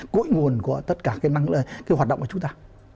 cội nguồn của tất cả cái hoạt động của chúng ta